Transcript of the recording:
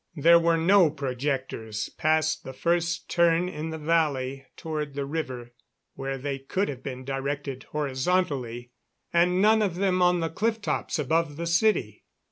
There were no projectors past the first turn in the valley toward the river where they could have been directed horizontally and none of them on the cliff tops above the city.